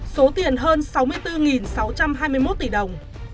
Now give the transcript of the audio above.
số tiền hơn sáu mươi bốn sáu trăm hai mươi một tỷ đồng